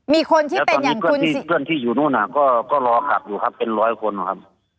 แล้วตอนนี้เพื่อนที่อยู่นู้นก็รอขับอยู่ครับเป็นร้อยคนนะครับ